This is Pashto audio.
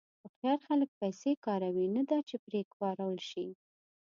هوښیار خلک پیسې کاروي، نه دا چې پرې وکارول شي.